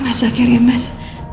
mas akhirnya mas